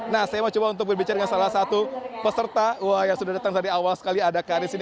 nah saya mau coba untuk berbicara dengan salah satu peserta yang sudah datang dari awal sekali ada karis ini